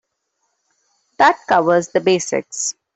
That covers the basics.